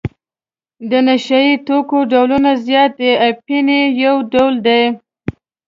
د نشه یي توکو ډولونه زیات دي اپین یې یو ډول دی.